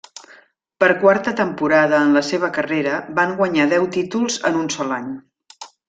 Per quarta temporada en la seva carrera van guanyar deu títols en un sol any.